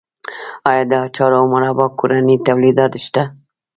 آیا د اچار او مربا کورني تولیدات شته؟